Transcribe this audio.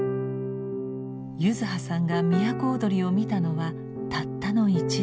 柚子葉さんが都をどりを見たのはたったの一度。